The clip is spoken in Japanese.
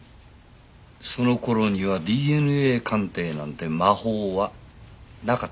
その頃にはＤＮＡ鑑定なんて魔法はなかったから。